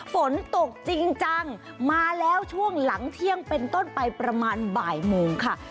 ฝนตกจริงจังมาแล้วช่วงหลังเที่ยงเป็นต้นไปประมาณบ่ายโมงค่ะ